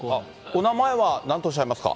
お名前は、なんとおっしゃいますか？